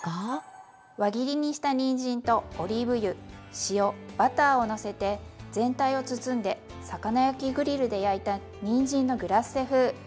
輪切りにしたにんじんとオリーブ油塩バターをのせて全体を包んで魚焼きグリルで焼いたにんじんのグラッセ風。